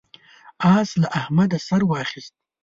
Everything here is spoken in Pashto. اس له احمده سر واخيست.